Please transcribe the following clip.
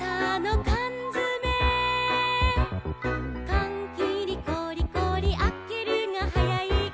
「かんきりゴリゴリあけるがはやいか」